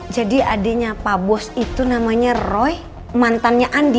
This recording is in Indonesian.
jadi adeknya pabos itu namanya roy mantannya andin